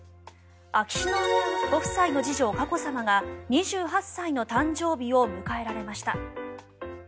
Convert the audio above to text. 秋篠宮ご夫妻の次女・佳子さまが２８歳の誕生日を迎えられました。